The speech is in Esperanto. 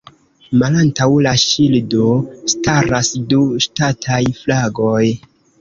Malantaŭ la ŝildo staras du ŝtataj flagoj.